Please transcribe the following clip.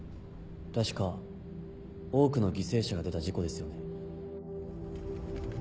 確か多くの犠牲者が出た事故ですよね。